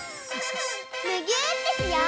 むぎゅーってしよう！